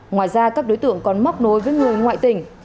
ngoài ra các đối tượng còn móc nối với người ngoại tỉnh